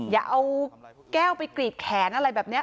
อย่าเอาแก้วไปกรีดแขนอะไรแบบนี้